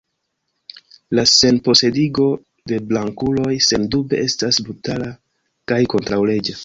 La senposedigo de blankuloj sendube estas brutala kaj kontraŭleĝa.